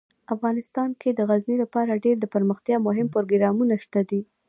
افغانستان کې د غزني لپاره ډیر دپرمختیا مهم پروګرامونه شته دي.